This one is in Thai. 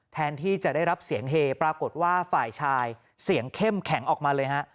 แทนที่จะได้รับเสียงเฮปรากฏว่าฝ่ายชายเสียงเข้มแข็งออกมาเลยฮะ